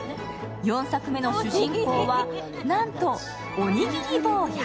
４作目の主人公はなんと、おにぎりぼうや。